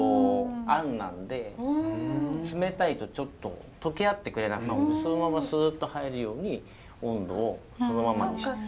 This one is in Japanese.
あんなんで冷たいとちょっと溶け合ってくれないそのままスッと入るように温度をそのままにしてる。